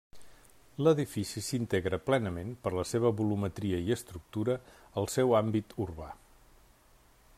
L'edifici s'integra plenament, per la seva volumetria i estructura, al seu àmbit urbà.